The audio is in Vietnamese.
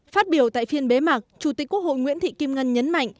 phát biểu tại phiên bế mạc chủ tịch quốc hội nguyễn thị kim ngân nhấn mạnh